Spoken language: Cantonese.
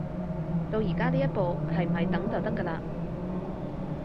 到而家呢一步，係唔係等就得㗎喇